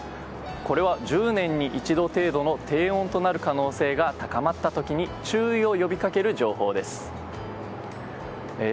これは１０年に一度程度の低温となる可能性が高まった時に注意を呼びかける情報です。